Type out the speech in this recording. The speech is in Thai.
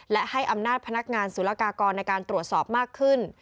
และให้อำนาจพนักงานสุรกากรในการตรวจสอบมากขึ้น